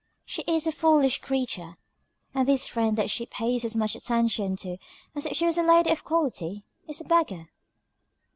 "She is a foolish creature, and this friend that she pays as much attention to as if she was a lady of quality, is a beggar."